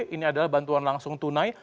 ini adalah bantuan langsung tunai